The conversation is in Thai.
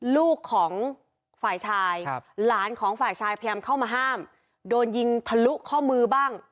ลูกของฝ่ายชายหลานของฝ่ายชายพยายามเข้ามาห้ามโดนยิงทะลุข้อมือบ้าง